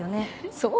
そう？